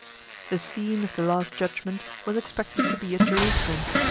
The scene of the last judgment was expected to be at Jerusalem.